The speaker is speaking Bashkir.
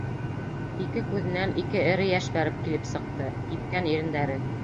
Ике күҙенән ике эре йәш бәреп килеп сыҡты, кипкән ирендәре: